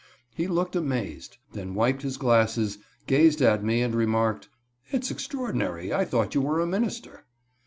He looked amazed. Then wiped his glasses, gazed at me, and remarked: "It's extraordinary. I thought you were a minister."